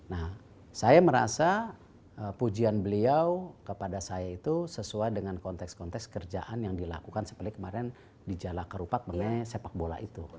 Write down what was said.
nah saya merasa pujian beliau kepada saya itu sesuai dengan konteks konteks kerjaan yang dilakukan seperti kemarin di jalak kerupat mengenai sepak bola itu